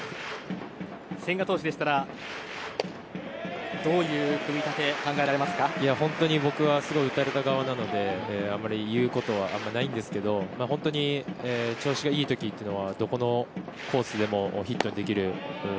千賀投手でしたらどういう組み立てを僕はすごい打たれた側なのであまり言うことはないですけど本当に調子がいい時はどこのコースでもヒットにできる。